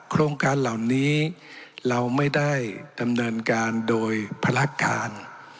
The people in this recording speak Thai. โครงการเหล่านี้เราไม่ได้ดำเนินการโดยภารการ